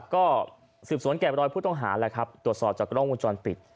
ก็ศึกษุ้นแกะรอยผู้ต้องหาแหล่ะครับตรวจสอบจากกระโลกมูลจรปิด